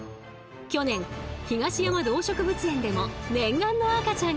去年東山動植物園でも念願の赤ちゃんが誕生！